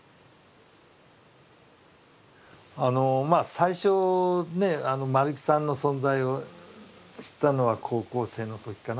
最初ね丸木さんの存在を知ったのは高校生の時かな。